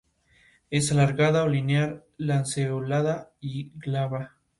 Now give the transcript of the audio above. Según Pausanias, sólo la mitad de la gente que había partido de Etolia regresó.